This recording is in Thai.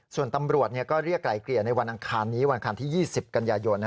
ส่วนตำรวจเนี่ยก็เรียกไหลเกลี่ยในวันอังคารนี้วันอังคารที่ยี่สิบกันยายนนะฮะ